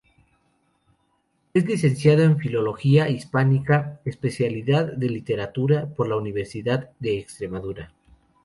Es licenciado en Filología Hispánica –especialidad de Literatura– por la Universidad de Extremadura.